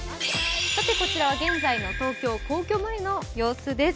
こちらは現在の東京・皇居前の様子です。